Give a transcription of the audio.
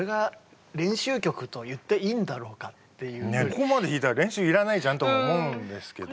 ここまで弾いたら練習いらないじゃんとも思うんですけど。